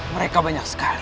mereka banyak sekali